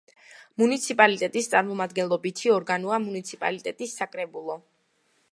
მუნიციპალიტეტის წარმომადგენლობითი ორგანოა მუნიციპალიტეტის საკრებულო.